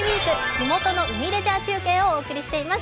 地元の海レジャー中継」をお送りしています。